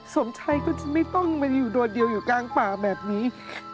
สมชัยก็จะไม่ต้องมาอยู่ตัวเดียวอยู่กลางป่าแบบนี้